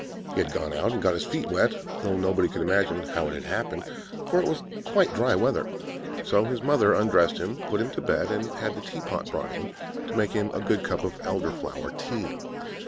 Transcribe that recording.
He had gone out and got his feet wet; though nobody could imagine how it had happened, for it was quite dry weather. So his mother undressed him, put him to bed, and had the tea pot brought in, to make him a good cup of Elderflower tea.